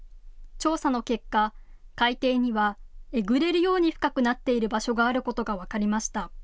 調査の結果、海底にはえぐれるように深くなっている場所があることが分かりました。